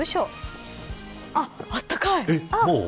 あったかい。